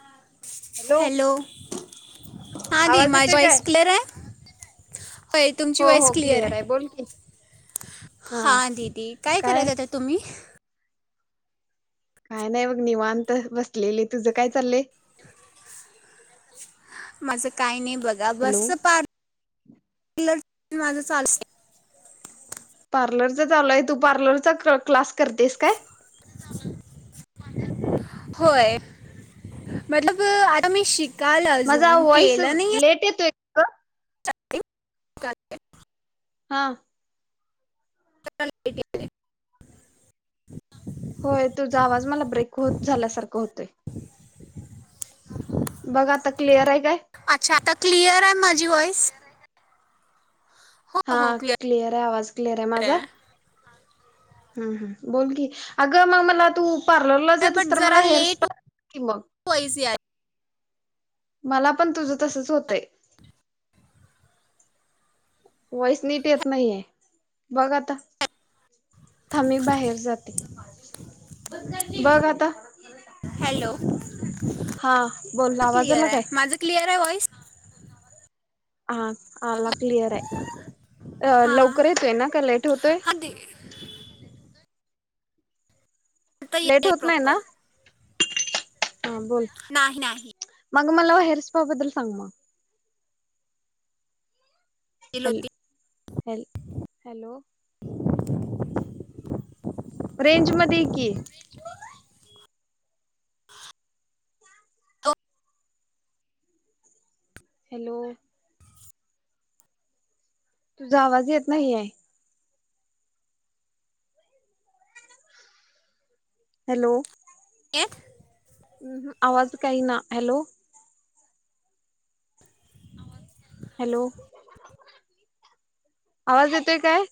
हा. हॅलो हा दी आवाज माय येतोय काय वॉइस क्लिअर आहे होय तुमची हो वॉइस हो क्लिअर आहे. बोल की हा दिदी काय करत होत्या तुम्ही? काय नाय बघ निवांत बसलेले तुझ काय चाललय? माझ काय ने बघा बस पारर माझं चाल [unintelligible] पार्लरच चालूय तू पार्लरचा क क्लास करतेस काय? होय मतलब आता मी शिक माझा वॉइस लेट येतोय ग आहे. हा. [unintelligible] होय तुझा आवाज मला ब्रेक होत झाल्यासारख होतोय. बघ आता क्लिअर आहे काय अच्छा आता क्लिअर आहे माझी वॉइस? हा क्लिअर क्लिअरये आवाज क्लिअरये माझा. आहे हं हं बोल की अग मग मला तू पार्लरला बट जातस तर मला जरा हेअर लेट स्पा कि मग वॉईस यार मला पण तुझ तसच होतय. वॉईस नीट येत नाहीये बघ आता. थांब मी बाहेर जाते बघ आता. हॅलो! हा बोल आवाज क्लिअर आला आहे काय? माझं क्लिअर आहे वॉइस? हा! ला क्लिअर हाय अ हां लवकर येतोय ना का लेट होतोय? हां दे आता ये लेट आहे होत नाही ना? प्रॉपर हा बोल. नाही नाही मग मला हेयर स्पा बद्दल सांग म तल होती हल् हॅलो! [unintelligible] रेंज मध्ये ये की. हॅलो! तुझा आवाज येत नाही आहे. हॅलो! एकठ हम् आवाज काही इना हॅलो! हॅलो आवाज येतोय काय?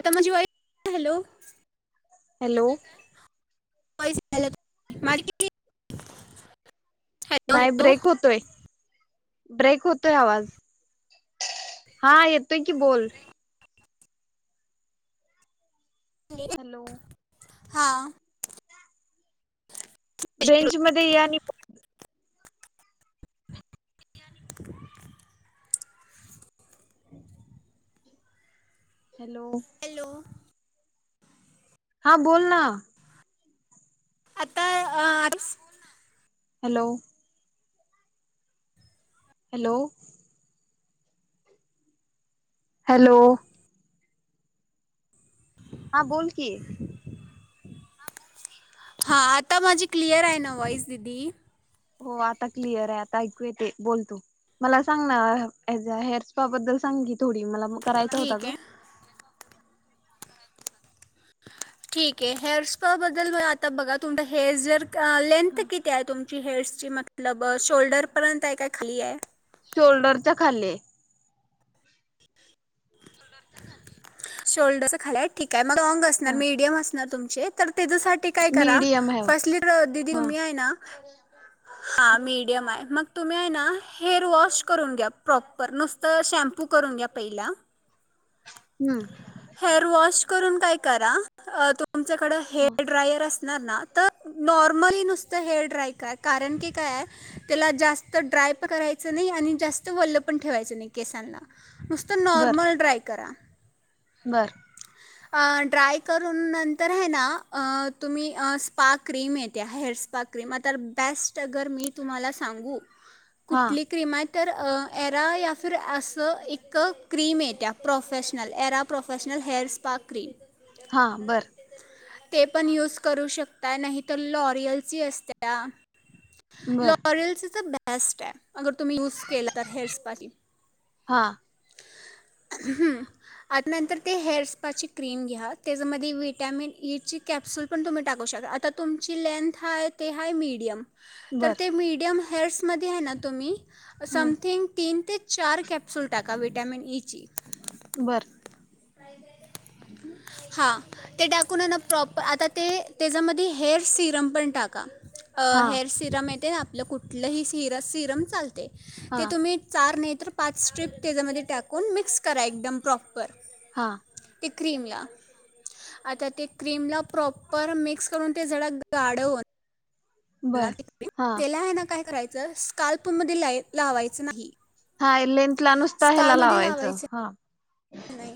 आता माझी वॉईस हॅलो हॅलो! [inaudible] हॅलो नाही हॅलो ब्रेक होतोय ब्रेक होतोय आवाज हा येतोय की बोल हॅलो! हा! रेंज हॅलो मध्ये या आणि [unintelligible] हॅलो! हा बोल ना आता अ--हा बोल ना हॅलो हॅलो हॅलो हा बोल कि, हा आता माझी क्लिअर आहे ना व्हॉइस दिदी? हो आता क्लियर आहे आता ऐकू येते बोल तु मला सांग ना हेअर स्पा बद्दल सांग कि थोडी मला म करायचा होता ठीक गं आहे ठीक आहे हेअर स्पा बद्दल आता बघा तुम हेअर जर लेंथ किती आहे तुमची हेअरस् की मतलब शोल्डर पर्यंत आहे काय खाली आहे? शोल्डरच्या खाली शोल्डर च्या खाली हाय ठीक हाय मग लॉंग असणार हा मिडीयम असणार तुम [inaudible] त्याज्यासाठी काय करा मीडियम आहे फस्टली दिदी हा तुम्ही हाय ना हा मीडियम आहे मग तुम्ही आहे ना हेअर वॉश करून घ्या प्रॉपर नुसतं शाम्पू करून घ्या पहिला हम्म हेअर वॉश करून काय करा अ तु तुमच्याकड हेअर ड्रायर अस सणार तर नॉर्मली नुसत हेअर ड्राय क कारण की काय आहे त्याला जास्त ड्राय पण करायचं नाही आणि जास्त वल्ल पण ठेवायचं नाही केसांना नुसतं बर नॉर्मल ड्राय करा बर अ ड्राय करून नंतर आहे ना अ तुम्ही अ स्पा क्रीम येत्या हेअर स्पा क्रीम आता बेस्ट अगर मी तुम्हाला सांगू हा कुठली क्रीम हाय तर एरा या फिर असं एक क्रीम येत्या प्रोफेशनल एरा प्रोफेशनल हेअरस स्पा क्री हा बर ते पण यूज करू शकता नाही तर लॉरियल ची असत्या बर लोरियलच च बेस्ट ये अगर तुम्ही यूज केला तर हेअर स्पाची हा हूं आत नंतर ते हेअर पाची क्रीम घ्या त्याच्यामध्ये विटामिन ई ची कॅप्सूल पण तुम्ही टाकू शकता आता तुमची लेंथ हाय ते हाय मीडियम तर बर ते मीडियम कर्समध्ये आहे ना तुम्ही? समथिंग तीन ते चार कॅप्सूल टाका विटामिन ई ची बर हा ते टाकून ना प्रॉपर आता ते तेजामध्ये हेअर सिरम पण टाका अ हा हेअर सिरम येते आपलं कुठलंही सिरा सिरम चालत हा ते तुम्ही चारने पाच स्ट्रिप तेजामध्ये टाकून मिक्स करा एकदम प्रॉपर हां क्रीम ला आता क्रीम ला प्रॉपर मिक्स करून ते जरा गाड होऊ दे. बर हा त्याला हाय ना काय करायचं ज स्काल्पमध्ये लाई लावायचं नाही हाय लेंथला नुसता ह्याला लावायचं हा! नाही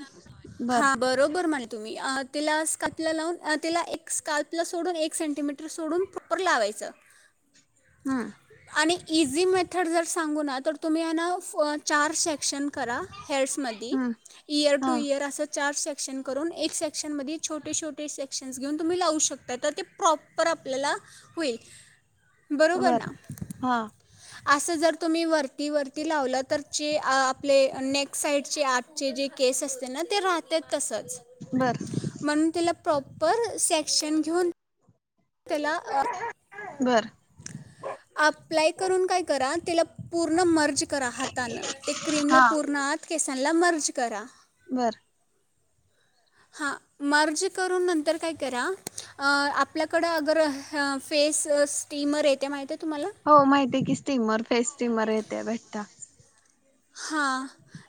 बर हा बरोबर म्हणे तुम्ही तिला स्काप ला लावून, तिला एक स्काप ला सोडून एक सेंटीमीटर सोडून उप्पर लावायचं हा! इझी मेथड जर सांगू ना, तर तुम्ही ह ना चार सेक्शन करा हेर्समधी हम्म इयर टू हा इयर असं चार सेक्शन करून एक सेक्शन मधी छोटे-छोटे सेक्शनस घेऊन तुम्ही लावू शकता, तर ते प्रॉपर आपल्याला होईल बरोबर ना? बर हा! असं जर तुम्ही वरती वरती लावलं तर चे आ आपले नेक साईटचे आठ चे जे केस असते ना ते राह ते तसच बर म्हणून तेला प्रॉपर सेक्शन घेऊन तेला अ घरं अप्लाय करून काय करा त्याला पूर्ण मर्ज करा हातन ते क्रीम ला हा पूर्ण आत केसांनला मर्ज करा बर! हा मर्ज करून नंतर काय करा अ आपल्याकडं अगर फेस स्टीमर येते माहि हो माहिती आहे की स्टीमर फेस स्टीमर येतय भेटता हां!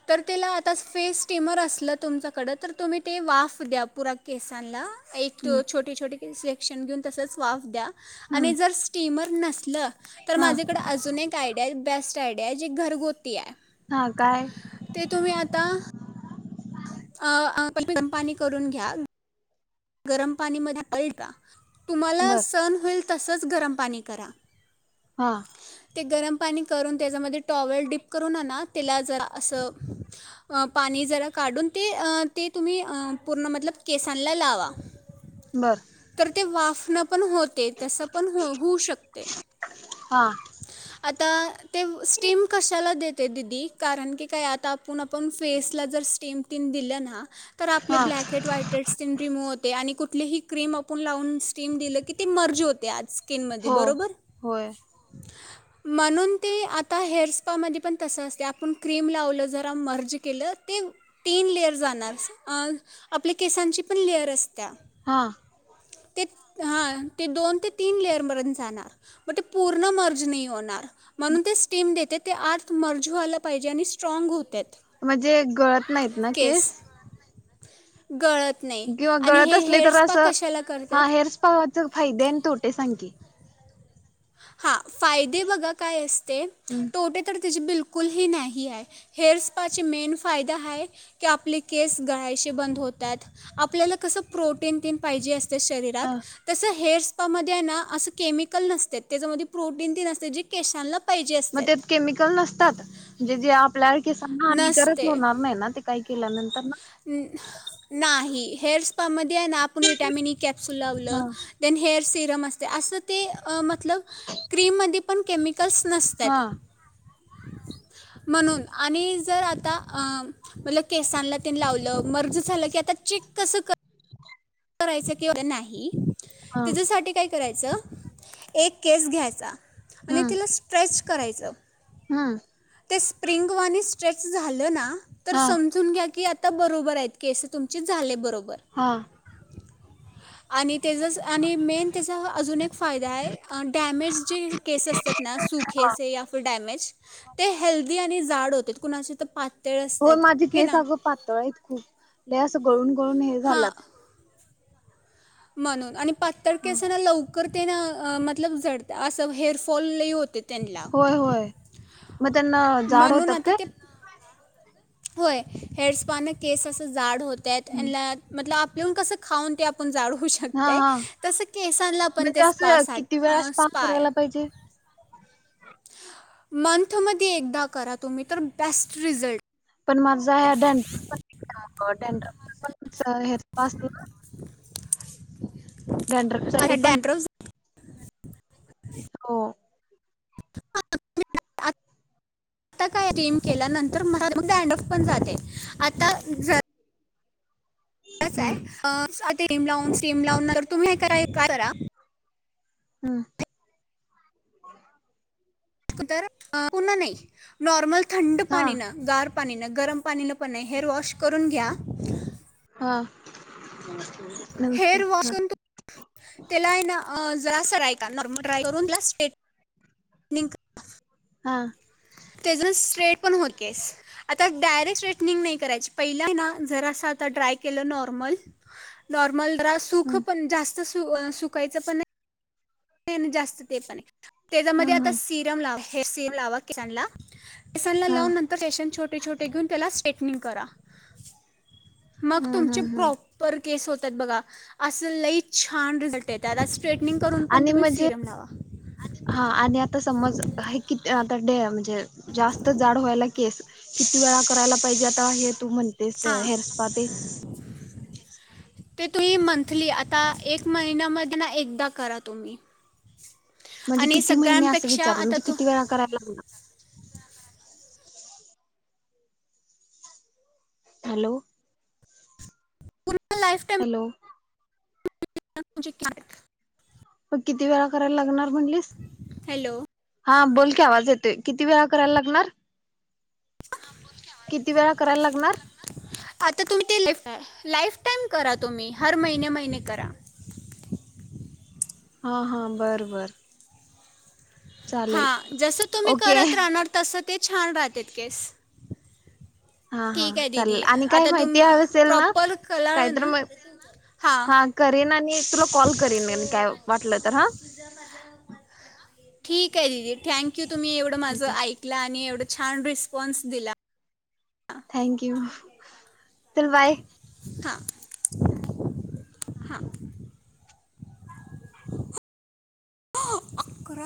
तर त्येला आता फेस स्टीमर असलं तुमच्याकडं तर तुम्ही ते वाफ द्या पुरा केसांनला एक हम्म छोटी छोटी शेक्शण घेऊन तसंच वाफ द्या. आणि हम्म जर स्टीमर नस न तर हा माझ्याकड अजून एक आयडिया बेस्ट आडियाय जी घरगुती आहे. हा काय ते तुम्ही आता कंपाणी करून घ्या गरम पाणी मधी पलटा तुम्हाला बर सण होईल तसचं गरम पाणी करा. हां ते गरम पाणी करून त्याच्यामध्ये टॉवेल डीप करून हाय ना त्येला जर असं पाणी जरा काढून ते ते तुम्ही पूर्ण मतलब केसांला लावा. बर तर ते वाफ पण होते तस पण हो होऊ शकते हा आता ते स्टीम कशाला देते दिदी कारण की काय आता आपण आपण फेसला जर स्टीम टीन दिलं ना तर आपले हा black head white head skin remove- - ते आणि कुठलीही क्रीम आपुण लावून स्टीम दिली की ती मर्ज होते आज स्किन मध्ये हो बरोबर होय म्हणून ते आता हेअर स्पामध्ये पण तसं असते आपण क्रीम लावलं जरा मर्ज केलं ते तीन लेयर जाणार अं आपल्या केसांची पण लेयर अस हां ते हा ते दोन ते तीन लेअर पर्यंत जाणार पण ते पूर्ण मर्ज नाही होणार म्हणून ते स्टीम देते ते आत मर्ज व्हायला पाहिजे आणि स्ट्रॉंग होते. म्हणजे गळत नाहीत ना केस गळत नाही किंवा आणि गळत हे असले हेअर तर स्पा असं कशाला करतात हां हेअर स्पा च फायदे आणि तोटे सांग की, हां फायदे बघा काय असं - ते तोटे तर त्याची बिलकुलही नाही आहे हेअर स्पाचे मेन फायदे हाय की आपले केस गळायचे बंद होतात आपल्याला कसं प्रोटीन तीन पाहिजे असं तर शरीरात ह तसं हेअरस् पामध्ये हाय ना असं केमिकल नसत्यात त्याच्यामध्ये प्रोटीन तीन असते जे केसांला- मग त्यात केमिकल नसतात म्हणजे जे आपल्या केसांना हानिकारक नसते होणार नाही ना ते काही केल्यानंत नाही हेअर स्पामध्ये आहे ना आपण व्हिटामीन ई कॅप्सूल लावलं हा त्यांनी हेअर सि- नमस्ते असं ते अं मतलब क्रिममध्ये पण केमि- तसं नसत्यात- हा म्हणून आणि जर आता अं म्हनलं केसांला- ते लावलं मर्ज झालं की ते आता चेक कस कर- करायचं किंवा नाही हा त्याच्यासाठी काय कराय- चं एक केस घ्यायचा आणि तिला स्ट्रेस- करायचं- हां ते स्प्रिंग वानी स्ट्रेच झालं ना- तर हा समजून घ्या की यात- आता बरोबर आहेत केसं तुमचे झाले बरोबर हा ह आणि त्याज्याच आणि मेन त्याचा अजून एक फायदा आहे डॅमेज जे केस असतात ना सुखे से असं डॅमेज ते हेल- ते आणि जाड होतेत कुणाचे तर पाच होय माझे केस अगं पातळ आहेत खूप लै च गळून गळून हे हां झाल्यात- म्हणून आणि पातळ केसांना लवकर ते ना मतलब जड असं हेअरफॉल लै होत- होय होय मग त्यांना जाड म्हणून होतात आता काय ते होय हेअरस्पान केस अस जाड होत त्यात हम्म ह्यांना ना मतलब आप- येऊन कसं खाऊन ते आपण जाड- होऊ हा शकतय हा. तस केसांना पण ते म्हणजे असं स्पासा किती वेळा अं स्पा आहे- करायला पाहिजे मंथ मध्ये एकदा करा तुम्ही तर बेस्ट रिझल्ट- पण माझ आहे डें पण अं डेंडरफनी पण असं हेअरस्पा असतो ना- डेंडरफ ड्रप आता साठी पण- डॅन्ड्रफ हो आता काय रिम केल्यानंतर डँडरफ पण जाते आता जर- कस हम्म आहे अं ते- क्रीम लावून स्टीम लावून टर तुम्ही हे करा काय करा हूं क तर पुन्हा नाही नॉर्मल थंड हा पाणी न गार पाणी न गरम पाणी न पण नाही हेअर वॉश करून घ्या. हा नमस्ते हेअर वॉश हा करून तु तेला हाय ना अ जरा सरय का नॉर्मल ड्राय करून प्लस स्ट्रेट निंग हा तेज न स्ट्रेट पण होत केस आता डायरेक्ट स्ट्रेटनिंग नाही करायची पहिल हाय न जरासा आता ड्राय केलं नॉर्मल नॉर्मल जरा सुख हम्म पण जास्त सु अअ सुकायचं पण नाय ते न जास्त ते पण ये हम्म तेच्यामध्ये आता हम्म सिरम लाव. हेअर सीम लावा केसानला केसांना हा लावून नंतर सेशन छोटे छोटे घेऊन त्याला स्टे निन करा. मग हम्म हम्म तुमचे हम्म प्रॉपर केस होत्यात बघा अस लई छान रिझल्ट येत्यात आस स्ट्रेनिंग करून पण आणि तुम्ही म्हजे सिरम लावा हा आणि आता समज हे किती आता डे म्हणजे जास्त जाड व्हायला केस किती वेळा करायला पाहिजे आता हे तू म्हणतेस हां हेरस्पा ते ते तुम्ही मंथली आता एक महिन्यामध्ये ना एकदा करा तुम्ही म्हणजे आणि किती महिने असं सगळ्यांपेक्षा विचारलं आता म्हणजे तू किती वेळा करायला लागनार हॅलो [inaudible] टाईम हॅलो [unintelligible] म किती वेळा करायला लागणार म्हटलीस हॅलो हा बोल की आवाज येतोय किती वेळा करायला लागणार. किती वेळा करायला लागणार? आता तुम्ही ते लाईफ लाईफ टाईम करा तुम्ही हर महिने महिने करा. हा हा बरं बरं हा जसं तुम्ही करत राहणार तसं ते छान राहतेत केस हा हा ठीक आहे चालेल दीदी आणि काय आता तुम माहिती हवी असेल ना प्रॉपर कलर कायतर ना म हां हा करीन आणि तुला कॉल करीन आणि काय वाटलं तर हा ठीक आहे दीदी थँ की तुम्ही एवढं माझं ओके ऐकला आणि एवढं छान रिस्पॉन्स दिला थँक्यू चल बाय हा हा आकरा